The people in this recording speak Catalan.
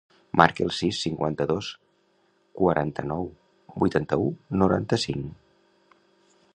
Marca el sis, cinquanta-dos, quaranta-nou, vuitanta-u, noranta-cinc.